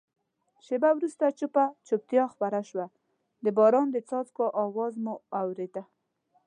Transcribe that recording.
شېبه وروسته چوپه چوپتیا خپره شوه، د باران د څاڅکو آواز مو اورېده.